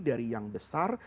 dari yang besar